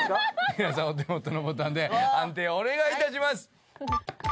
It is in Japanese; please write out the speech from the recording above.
皆さんお手元のボタンで判定お願い致します！